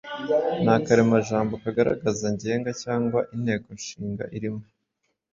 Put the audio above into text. Ni akaremajambo kagaragaza ngenga cyangwa inteko inshinga irimo.